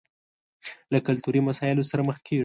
له کلتوري مسايلو سره مخ کېږي.